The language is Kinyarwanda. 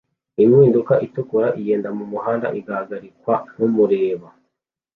Impinduka itukura igenda mumuhanda igahagarikwa numureba